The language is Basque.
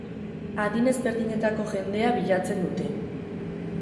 Adin ezberdinetako jendea bilatzen dute.